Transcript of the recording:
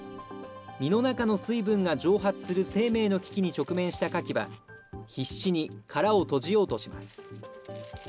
身の中の水分が蒸発する生命の危機に直面したカキは、必死に殻を閉じようとします。